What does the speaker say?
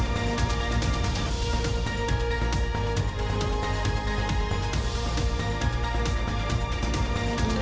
โปรดติดตามตอนต่อไป